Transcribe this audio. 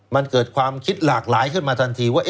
มันเกิดความคิดหลากหลายขึ้นมาทันทีว่า